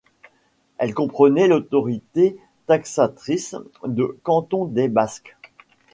Elle comprenait l'autorité taxatrice de Canton-des-Basques.